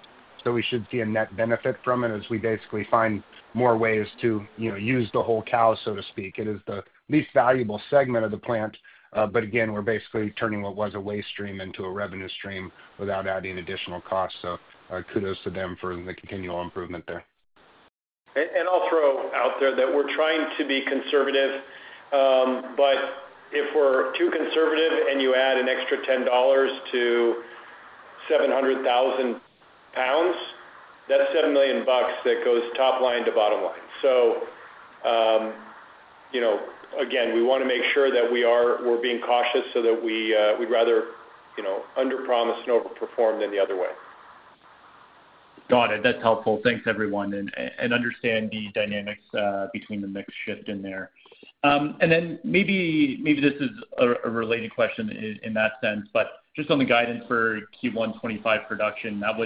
We should see a net benefit from it as we basically find more ways to use the whole cow, so to speak. It is the least valuable segment of the plant, but again, we're basically turning what was a waste stream into a revenue stream without adding additional costs. Kudos to them for the continual improvement there. I'll throw out there that we're trying to be conservative, but if we're too conservative and you add an extra $10 to 700,000 lbs, that's $7 million that goes top line to bottom line. Again, we want to make sure that we're being cautious so that we'd rather underpromise and overperform than the other way. Got it. That's helpful. Thanks, everyone. I understand the dynamics between the mix shift in there. Maybe this is a related question in that sense, but just on the guidance for Q1 2025 production, that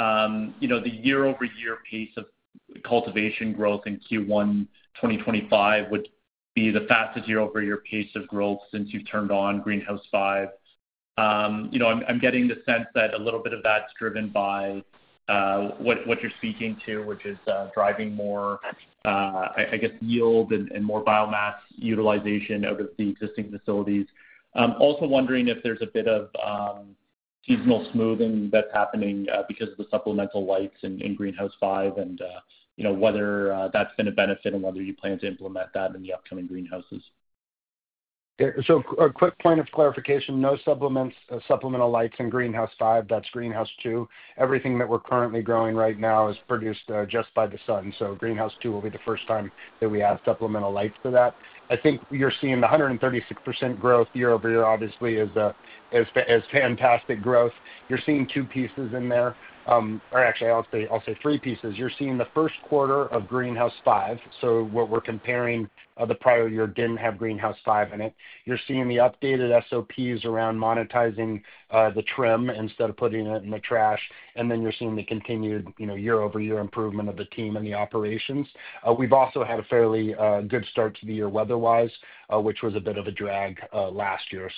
would—the year-over-year pace of cultivation growth in Q1 2025 would be the fastest year-over-year pace of growth since you've turned on Greenhouse 5. I'm getting the sense that a little bit of that's driven by what you're speaking to, which is driving more, I guess, yield and more biomass utilization out of the existing facilities. Also wondering if there's a bit of seasonal smoothing that's happening because of the supplemental lights in Greenhouse 5 and whether that's been a benefit and whether you plan to implement that in the upcoming greenhouses. A quick point of clarification. No supplemental lights in Greenhouse 5. That's Greenhouse 2. Everything that we're currently growing right now is produced just by the sun. Greenhouse 2 will be the first time that we add supplemental lights to that. I think you're seeing the 136% growth year-over-year, obviously, is fantastic growth. You're seeing two pieces in there. Or actually, I'll say three pieces. You're seeing the first quarter of Greenhouse 5. What we're comparing, the prior year didn't have Greenhouse 5 in it. You're seeing the updated SOPs around monetizing the trim instead of putting it in the trash. You are seeing the continued year-over-year improvement of the team and the operations. We have also had a fairly good start to the year weather-wise, which was a bit of a drag last year.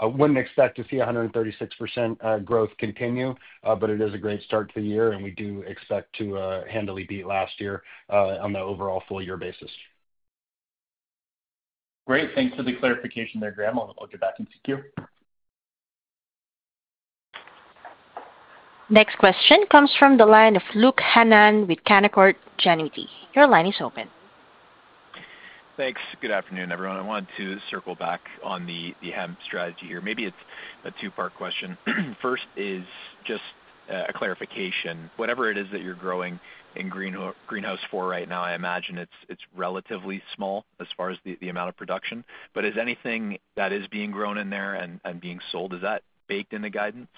I would not expect to see 136% growth continue, but it is a great start to the year, and we do expect to handle it last year on the overall full-year basis. Great. Thanks for the clarification there, Graham. I will get back into queue. Next question comes from the line of Luke Hannan with Canaccord Genuity. Your line is open. Thanks. Good afternoon, everyone. I wanted to circle back on the hemp strategy here. Maybe it is a two-part question. First is just a clarification. Whatever it is that you are growing in Greenhouse 4 right now, I imagine it is relatively small as far as the amount of production. Is anything that is being grown in there and being sold, is that baked in the guidance?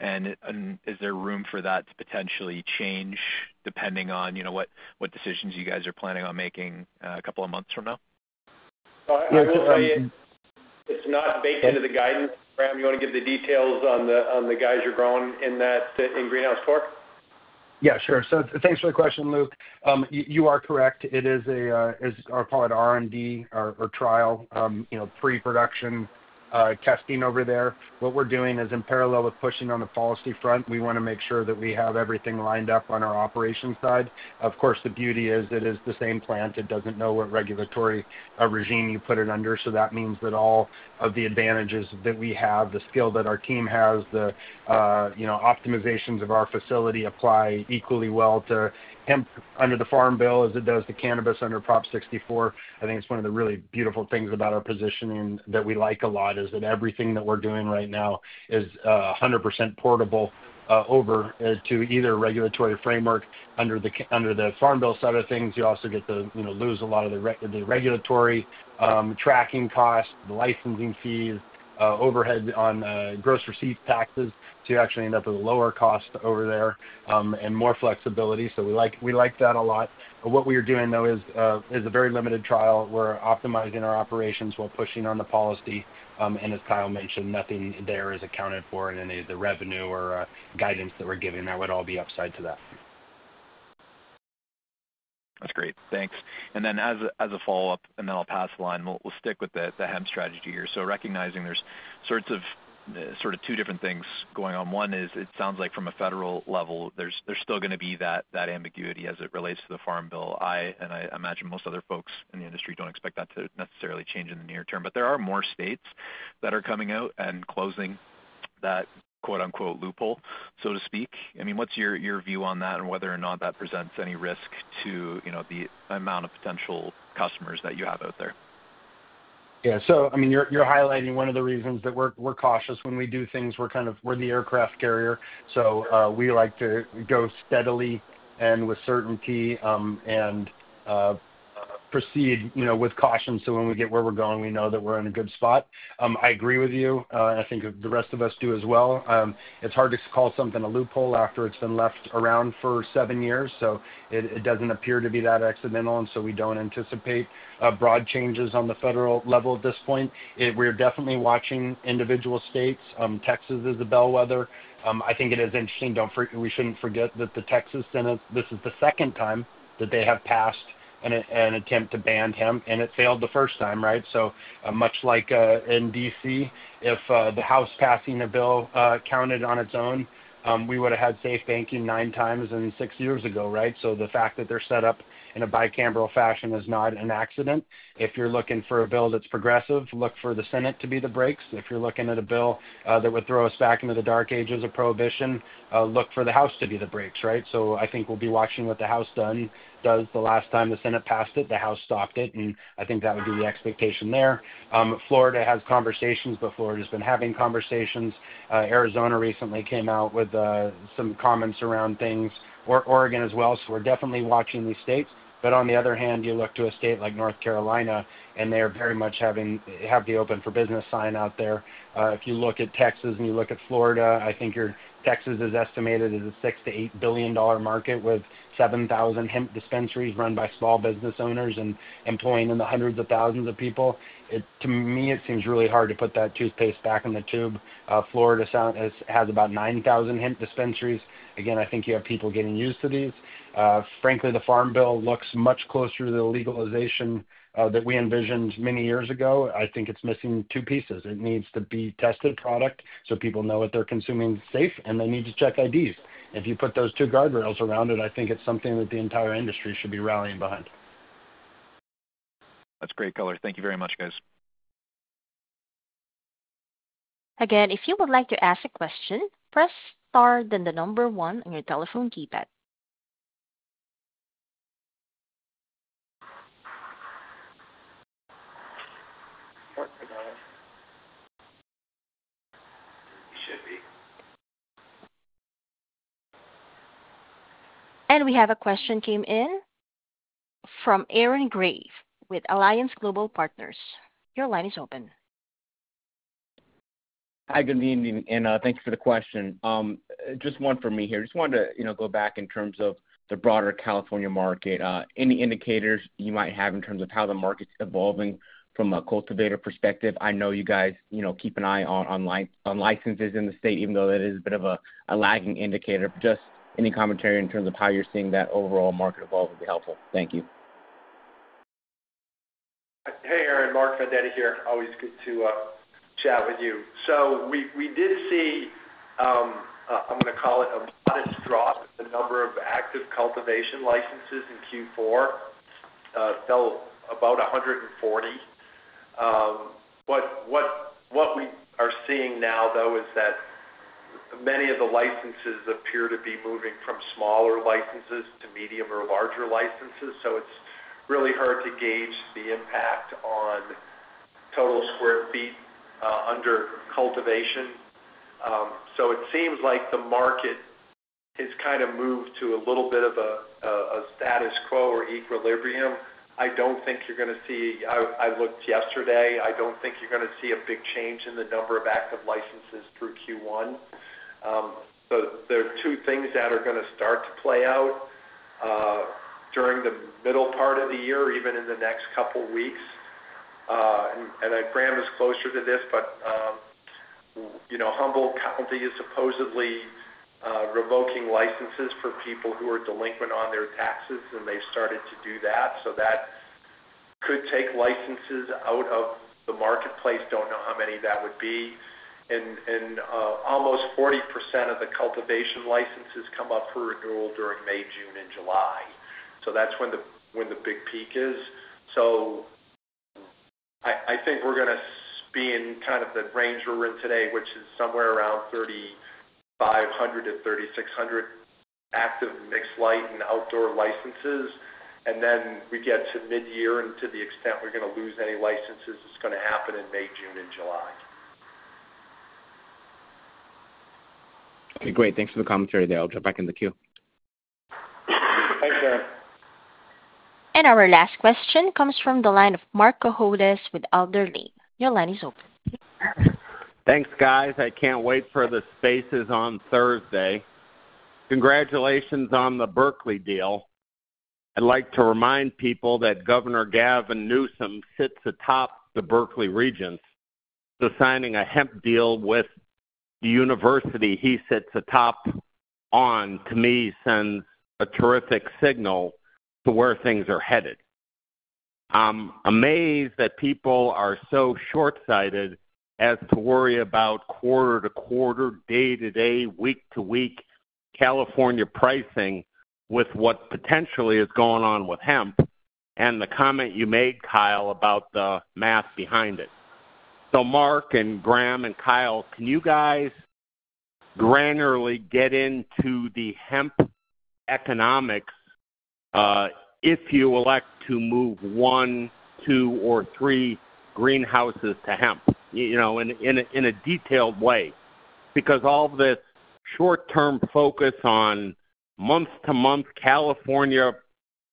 Is there room for that to potentially change depending on what decisions you guys are planning on making a couple of months from now? It's not baked into the guidance. Graham, you want to give the details on the guys you're growing in Greenhouse 4? Yeah, sure. Thanks for the question, Luke. You are correct. It is, I'll call it R&D or trial, pre-production testing over there. What we're doing is in parallel with pushing on the policy front, we want to make sure that we have everything lined up on our operations side. Of course, the beauty is it is the same plant. It doesn't know what regulatory regime you put it under. That means that all of the advantages that we have, the skill that our team has, the optimizations of our facility apply equally well to hemp under the Farm Bill as it does to cannabis under Prop 64. I think it's one of the really beautiful things about our positioning that we like a lot is that everything that we're doing right now is 100% portable over to either a regulatory framework. Under the Farm Bill side of things, you also get to lose a lot of the regulatory tracking costs, the licensing fees, overhead on gross receipts taxes. You actually end up with a lower cost over there and more flexibility. We like that a lot. What we are doing, though, is a very limited trial. We're optimizing our operations while pushing on the policy. As Kyle mentioned, nothing there is accounted for in any of the revenue or guidance that we're giving. That would all be upside to that. That's great. Thanks. As a follow-up, and then I'll pass the line, we'll stick with the hemp strategy here. Recognizing there's sort of two different things going on. One is it sounds like from a federal level, there's still going to be that ambiguity as it relates to the Farm Bill. I and I imagine most other folks in the industry don't expect that to necessarily change in the near term. There are more states that are coming out and closing that "loophole," so to speak. I mean, what's your view on that and whether or not that presents any risk to the amount of potential customers that you have out there? Yeah. I mean, you're highlighting one of the reasons that we're cautious when we do things. We're kind of the aircraft carrier. We like to go steadily and with certainty and proceed with caution so when we get where we're going, we know that we're in a good spot. I agree with you. I think the rest of us do as well. It's hard to call something a loophole after it's been left around for seven years. It doesn't appear to be that accidental. We don't anticipate broad changes on the federal level at this point. We're definitely watching individual states. Texas is a bellwether. I think it is interesting. We shouldn't forget that the Texas Senate, this is the second time that they have passed an attempt to ban hemp, and it failed the first time, right? Much like in D.C., if the House passing a bill counted on its own, we would have had SAFE Banking nine times and six years ago, right? The fact that they are set up in a bicameral fashion is not an accident. If you are looking for a bill that is progressive, look for the Senate to be the brakes. If you are looking at a bill that would throw us back into the dark ages of prohibition, look for the House to be the brakes, right? I think we will be watching what the House does. The last time the Senate passed it, the House stopped it. I think that would be the expectation there. Florida has conversations, but Florida has been having conversations. Arizona recently came out with some comments around things. Oregon as well. We are definitely watching these states. On the other hand, you look to a state like North Carolina, and they're very much having the open for business sign out there. If you look at Texas and you look at Florida, I think Texas is estimated as a $6 billion-$8 billion market with 7,000 hemp dispensaries run by small business owners and employing in the hundreds of thousands of people. To me, it seems really hard to put that toothpaste back in the tube. Florida has about 9,000 hemp dispensaries. Again, I think you have people getting used to these. Frankly, the Farm Bill looks much closer to the legalization that we envisioned many years ago. I think it's missing two pieces. It needs to be tested product so people know what they're consuming is safe, and they need to check IDs. If you put those two guardrails around it, I think it's something that the entire industry should be rallying behind. That's great color. Thank you very much, guys. Again, if you would like to ask a question, press star then the number one on your telephone keypad. We have a question came in from Aaron Grey with Alliance Global Partners. Your line is open. Hi, good evening, and thank you for the question. Just one for me here. Just wanted to go back in terms of the broader California market. Any indicators you might have in terms of how the market's evolving from a cultivator perspective? I know you guys keep an eye on licenses in the state, even though that is a bit of a lagging indicator. Just any commentary in terms of how you're seeing that overall market evolve would be helpful. Thank you. Hey, Aaron. Mark Vendetti here. Always good to chat with you. We did see, I'm going to call it a modest drop in the number of active cultivation licenses in Q4. Fell about 140. What we are seeing now, though, is that many of the licenses appear to be moving from smaller licenses to medium or larger licenses. It is really hard to gauge the impact on total square feet under cultivation. It seems like the market has kind of moved to a little bit of a status quo or equilibrium. I don't think you're going to see—I looked yesterday—I don't think you're going to see a big change in the number of active licenses through Q1. There are two things that are going to start to play out during the middle part of the year, even in the next couple of weeks. Graham is closer to this, but Humboldt County is supposedly revoking licenses for people who are delinquent on their taxes, and they've started to do that. That could take licenses out of the marketplace. Don't know how many that would be. Almost 40% of the cultivation licenses come up for renewal during May, June, and July. That is when the big peak is. I think we're going to be in kind of the range we're in today, which is somewhere around 3,500-3,600 active mixed light and outdoor licenses. We get to mid-year, and to the extent we're going to lose any licenses, it's going to happen in May, June, and July. Okay, great. Thanks for the commentary there. I'll jump back in the queue. Thanks, Aaron. Our last question comes from the line of Marc Cohodes with Alder Lane. Your line is open. Thanks, guys. I can't wait for the Spaces on Thursday. Congratulations on the Berkeley deal. I'd like to remind people that Governor Gavin Newsom sits atop the Berkeley Regents. Signing a hemp deal with the university he sits atop on, to me, sends a terrific signal to where things are headed. I'm amazed that people are so short-sighted as to worry about quarter to quarter, day to day, week to week California pricing with what potentially is going on with hemp and the comment you made, Kyle, about the math behind it. Mark and Graham and Kyle, can you guys granularly get into the hemp economics if you elect to move one, two, or three greenhouses to hemp in a detailed way? All of this short-term focus on month-to-month California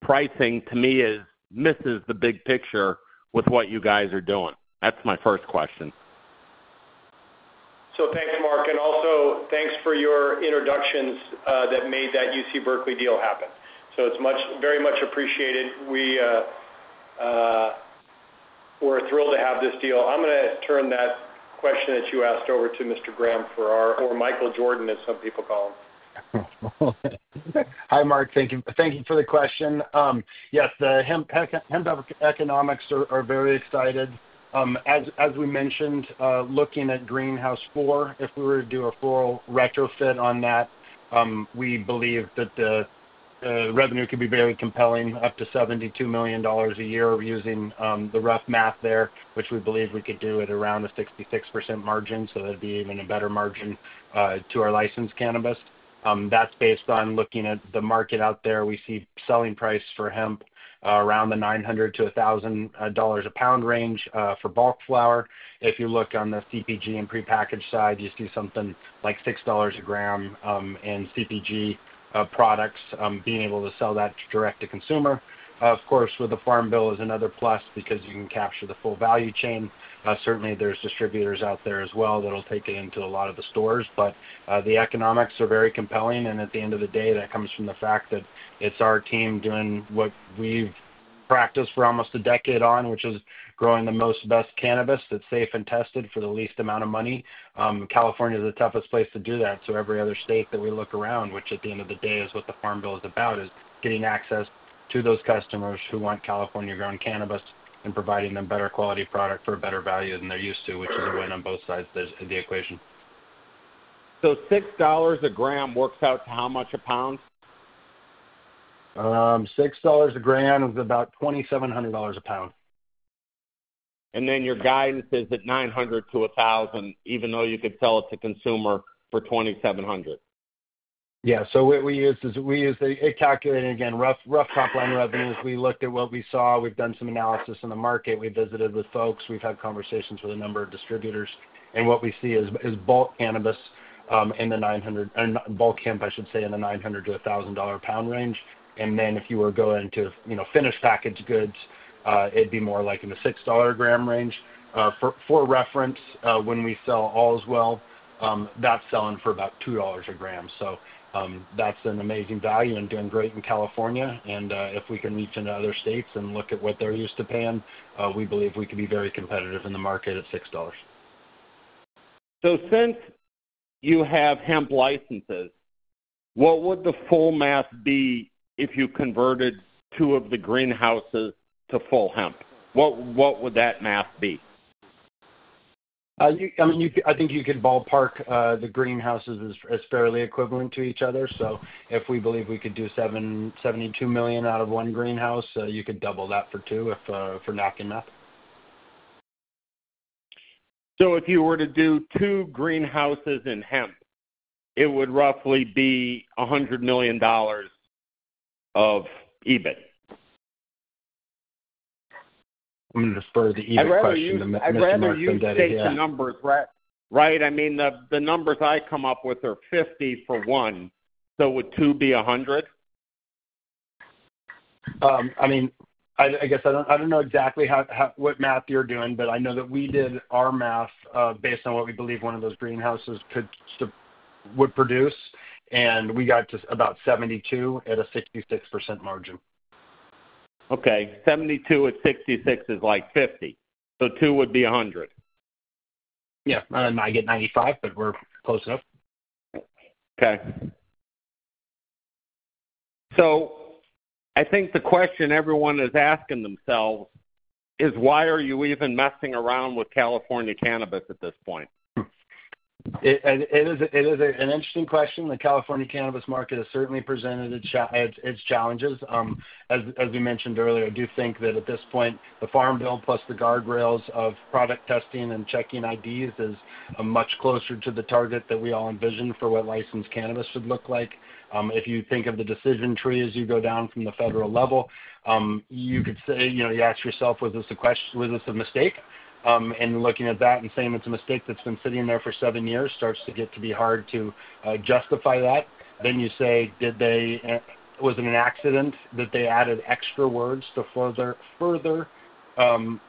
pricing, to me, misses the big picture with what you guys are doing. That's my first question. Thanks, Marc. Also, thanks for your introductions that made that UC Berkeley deal happen. It's very much appreciated. We're thrilled to have this deal. I'm going to turn that question that you asked over to Mr. Graham Farrar, or Michael Jordan, as some people call him. Hi, Marc. Thank you for the question. Yes, the hemp economics are very exciting. As we mentioned, looking at Greenhouse 4, if we were to do a floral retrofit on that, we believe that the revenue could be very compelling, up to $72 million a year. Using the rough math there, which we believe we could do at around a 66% margin, that would be an even better margin than our licensed cannabis. That's based on looking at the market out there. We see selling price for hemp around the $900-$1,000 a pound range for bulk flower. If you look on the CPG and pre-packaged side, you see something like $6 a gram in CPG products being able to sell that direct to consumer. Of course, with the Farm Bill, it's another plus because you can capture the full value chain. Certainly, there's distributors out there as well that'll take it into a lot of the stores. The economics are very compelling. At the end of the day, that comes from the fact that it's our team doing what we've practiced for almost a decade on, which is growing the most best cannabis that's safe and tested for the least amount of money. California is the toughest place to do that. Every other state that we look around, which at the end of the day is what the Farm Bill is about, is getting access to those customers who want California-grown cannabis and providing them better quality product for a better value than they're used to, which is a win on both sides of the equation. $6 a gram works out to how much a pound? $6 a gram is about $2,700 a pound. Your guidance is at 900-1,000, even though you could sell it to consumer for $2,700. Yeah. We use the calculator again, rough top-line revenues. We looked at what we saw. We've done some analysis in the market. We visited with folks. We've had conversations with a number of distributors. What we see is bulk cannabis in the bulk hemp, I should say, in the $900-$1,000 a pound range. If you were going to finished packaged goods, it would be more like in the $6 a gram range. For reference, when we sell Allswell, that is selling for about $2 a gram. That is an amazing value and doing great in California. If we can reach into other states and look at what they are used to paying, we believe we could be very competitive in the market at $6. Since you have hemp licenses, what would the full math be if you converted two of the greenhouses to full hemp? What would that math be? I think you could ballpark the greenhouses as fairly equivalent to each other. If we believe we could do $72 million out of one greenhouse, you could double that for two if we're knocking that. If you were to do two greenhouses in hemp, it would roughly be $100 million of EBIT. I'm going to defer to EBIT *crosstalk* Right. I mean, the numbers I come up with are $50 million for one. Would two be $100 million? I mean, I guess I don't know exactly what math you're doing, but I know that we did our math based on what we believe one of those greenhouses would produce. We got to about $72 million at a 66% margin. Okay. $72 million at 66% is like $50 million. Two would be $100 million. Yeah. I might get $95 million, but we're close enough. Okay. I think the question everyone is asking themselves is, why are you even messing around with California cannabis at this point? It is an interesting question. The California cannabis market has certainly presented its challenges. As we mentioned earlier, I do think that at this point, the Farm Bill plus the guardrails of product testing and checking IDs is much closer to the target that we all envisioned for what licensed cannabis would look like. If you think of the decision tree as you go down from the federal level, you could say you ask yourself, was this a mistake? Looking at that and saying it's a mistake that's been sitting there for seven years starts to get to be hard to justify that. You say, was it an accident that they added extra words to further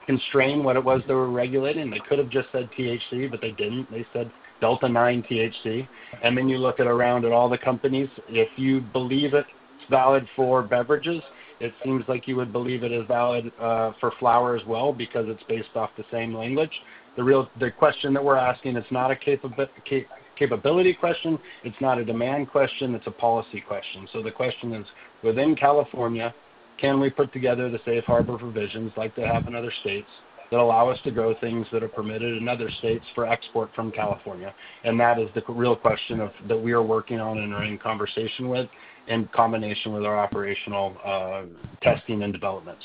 constrain what it was they were regulating? They could have just said THC, but they did not. They said Delta-9 THC. You look around at all the companies, if you believe it is valid for beverages, it seems like you would believe it is valid for flower as well because it is based off the same language. The question that we are asking, it is not a capability question. It is not a demand question. It is a policy question. The question is, within California, can we put together the safe harbor provisions like they have in other states that allow us to grow things that are permitted in other states for export from California? That is the real question that we are working on and are in conversation with in combination with our operational testing and development.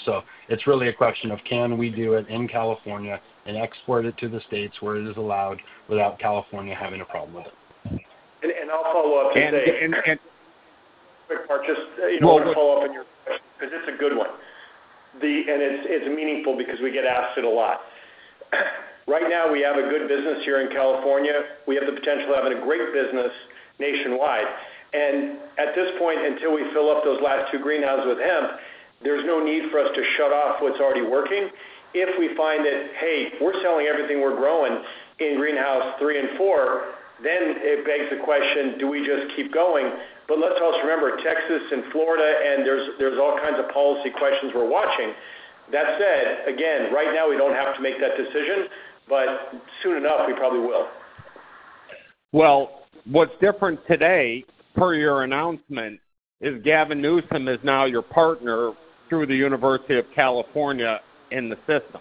It's really a question of, can we do it in California and export it to the states where it is allowed without California having a problem with it? I'll follow up and say, quick part, just want to follow up on your question because it's a good one. It's meaningful because we get asked it a lot. Right now, we have a good business here in California. We have the potential to have a great business nationwide. At this point, until we fill up those last two greenhouses with hemp, there's no need for us to shut off what's already working. If we find that, hey, we're selling everything we're growing in Greenhouse 3 and 4, then it begs the question, do we just keep going? Let's also remember, Texas and Florida, and there's all kinds of policy questions we're watching. That said, again, right now, we don't have to make that decision, but soon enough, we probably will. What's different today per your announcement is Gavin Newsom is now your partner through the University of California in the system.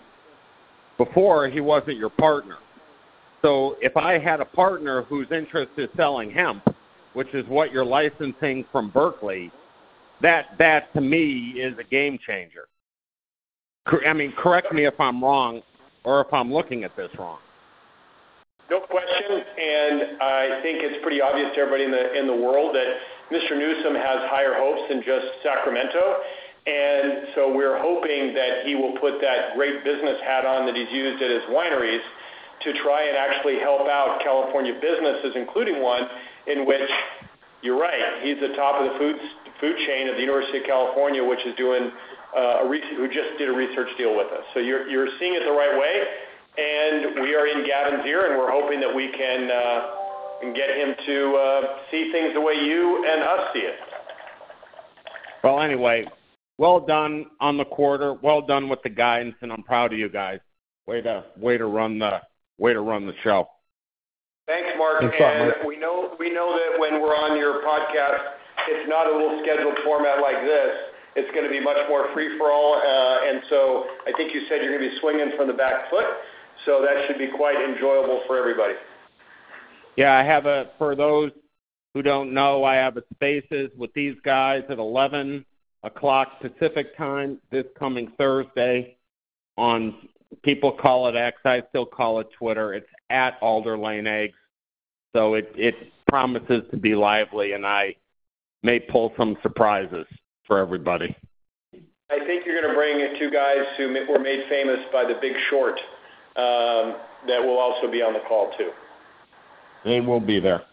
Before, he wasn't your partner. If I had a partner whose interest is selling hemp, which is what you're licensing from Berkeley, that to me is a game changer. I mean, correct me if I'm wrong or if I'm looking at this wrong. No question. I think it's pretty obvious to everybody in the world that Mr. Newsom has higher hopes than just Sacramento. We are hoping that he will put that great business hat on that he's used at his wineries to try and actually help out California businesses, including one in which you're right. He's the top of the food chain at the University of California, which is doing a who just did a research deal with us. You're seeing it the right way. We are in Gavin's ear, and we're hoping that we can get him to see things the way you and us see it. Anyway. Well done on the quarter. Well done with the guidance, and I'm proud of you guys. Way to run the show. Thanks, Marc. We know that when we're on your podcast, it's not a little scheduled format like this. It's going to be much more free for all. I think you said you're going to be swinging from the back foot. That should be quite enjoyable for everybody. Yeah. For those who don't know, I have a Spaces with these guys at 11:00 A.M. Pacific Time this coming Thursday on people call it X. I still call it Twitter. It's @alderlaneeggs. It promises to be lively, and I may pull some surprises for everybody. I think you're going to bring two guys who were made famous by The Big Short that will also be on the call too. They will be there.